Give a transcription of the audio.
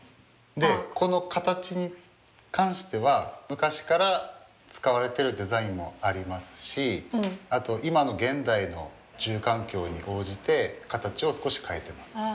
でこの形に関しては昔から使われているデザインもありますしあと今の現代の住環境に応じて形を少し変えてます。